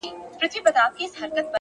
هره ورځ د ښه کېدو بلنه ده.!